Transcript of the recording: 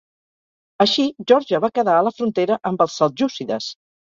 Així Geòrgia va quedar a la frontera amb els seljúcides.